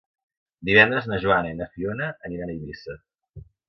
Divendres na Joana i na Fiona aniran a Eivissa.